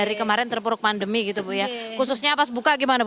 ikun detik bukan